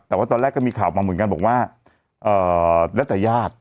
แต่ว่าตอนแรกก็มีข่าวมาเหมือนกันบอกว่าแล้วแต่ญาติ